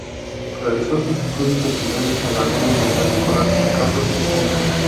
Realizó sus estudios secundarios en la Gran Unidad Escolar San Carlos de Puno.